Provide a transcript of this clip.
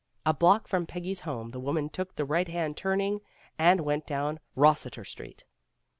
A block from Peggy's home, the woman took the right hand turning and went down Eossiter Street.